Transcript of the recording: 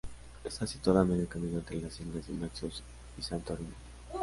Está situada a medio camino entre las islas de Naxos y Santorini.